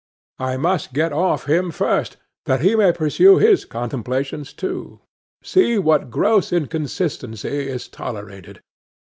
I must get off him first, that he may pursue his contemplations too. See what gross inconsistency is tolerated.